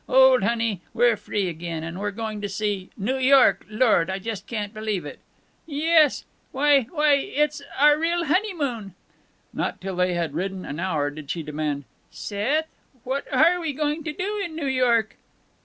Old honey, we're free again! And we're going to see New York! Lord! I just can't believe it!" "Yes why why, it's our real honeymoon!" Not till they had ridden for an hour did she demand, "Seth, what are we going to do in New York?"